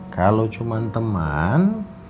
kalo cuman teman